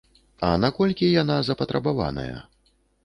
А наколькі яна запатрабаваная?